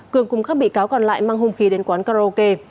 cường cùng các bị cáo còn lại mang hung khí đến quán karaoke